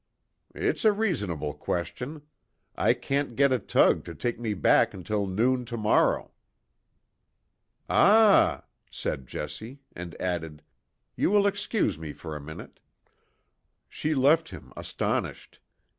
"It's a reasonable question. I can't get a tug to take me back until noon to morrow." "Ah!" said Jessie, and added: "You will excuse me for a minute." She left him astonished.